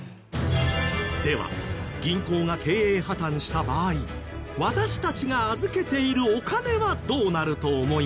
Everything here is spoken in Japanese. では銀行が経営破たんした場合私たちが預けているお金はどうなると思いますか？